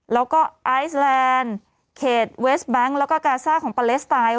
แล้วก็ไอซแลนด์เขตเวสแบงค์แล้วก็กาซ่าของปาเลสไตน์